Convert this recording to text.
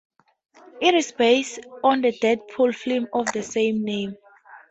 It is based on the Deadpool films of the same name.